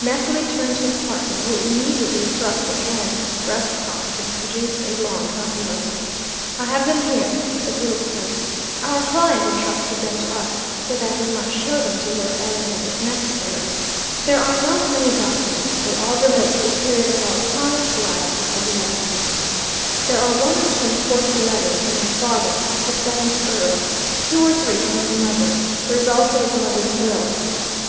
Methley turned to his partner, who immediately thrust a hand in his breastpocket and produced a long envelope. "I have them here," said Woodlesford. "Our client intrusted them to us so that we might show them to Lord Ellingham, if necessary. There are not many documents they all relate to the period of our client's life before he left England. There are one or two important letters from his father, the seventh Earl, two or three from his mother; there is also his mother's will.